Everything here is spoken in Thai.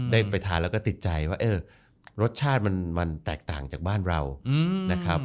ได้ไปทานแล้วก็ติดใจว่าเออรสชาติมันแตกต่างจากบ้านเรานะครับ